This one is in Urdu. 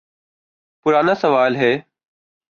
پرانا سوال ہے۔